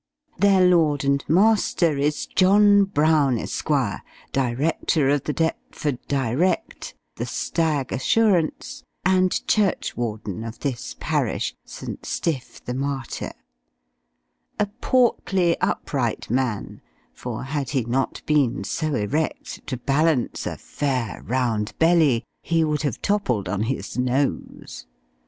Their lord and master is John Brown, Esq., Director of the Deptford Direct, the Stag Assurance, and Churchwarden of this parish St. Stiff the Martyr, a portly upright man; for had he not been so erect, to balance a "fair round belly," he would have toppled on his nose.